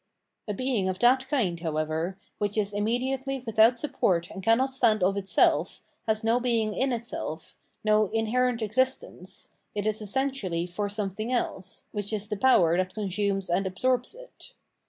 A being of that kind, however, which is immediately without support and cannot stand of itself, has no being in itself, no inherent existence, it is essentially for something else, which is the power that consumes and absorbs it.